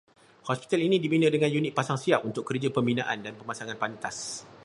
Hospital ini dibina dengan unit pasang siap untuk kerja pembinaan dan pemasangan pantas